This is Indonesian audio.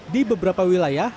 di beberapa wilayah